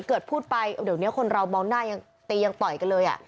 เกิดพูดไปเดี๋ยวนี้คนเรามองหน้ายังตียังต่อยกันเลย